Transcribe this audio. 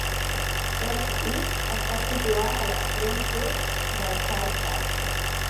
Port Eads està situat a l'extrem sud del South Pass.